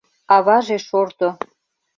Аваже шорто.